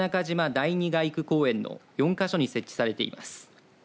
第二街区公園の４か所に設置されています。